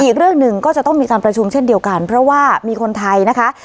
อีกเรื่องหนึ่งก็จะต้องมีการประชุมเช่นเดียวกันเพราะว่ามีคนไทยนะคะ